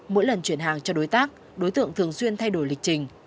mỗi lần chuyển hàng cho đối tác đối tượng thường xuyên thay đổi lịch trình